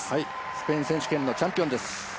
スペイン選手権のチャンピオンです。